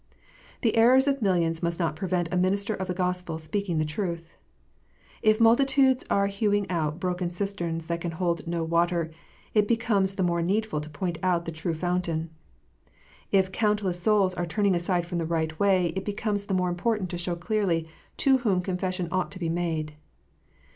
The errors of millions must not prevent a minister of the Gospel speaking the truth. If multitudes are hewing out broken cisterns that can hold no water, it becomes the more needful to point out the true fountain. If countless souls are turning aside from the right way, it becomes the more important to show clearly to whom confession ought to be made.